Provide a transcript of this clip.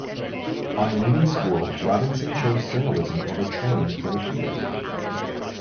On leaving school, Robinson chose journalism over training for the theatre.